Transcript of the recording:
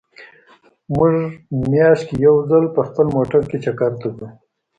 مونږ مياشت کې يو ځل په خپل موټر کې چکر ته ځو